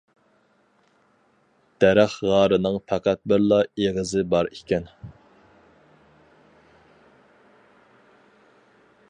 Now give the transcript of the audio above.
دەرەخ غارىنىڭ پەقەت بىرلا ئېغىزى بار ئىكەن.